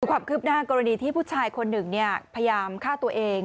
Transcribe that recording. ความคืบหน้ากรณีที่ผู้ชายคนหนึ่งพยายามฆ่าตัวเอง